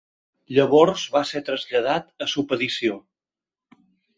Llavors va ser traslladat a subedició.